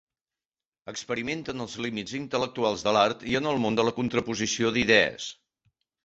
Experimenta en els límits intel·lectuals de l'art i en el món de la contraposició d'idees.